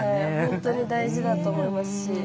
本当に大事だと思いますし。